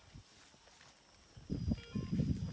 ไม่เอาแต่แบบนี้